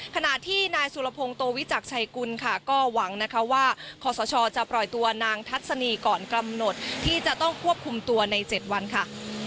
ขณะที่นายสุรพงศ์โตวิจักรชัยกุลค่ะก็หวังนะคะว่าขอสชจะปล่อยตัวนางทัศนีก่อนกำหนดที่จะต้องควบคุมตัวใน๗วันค่ะ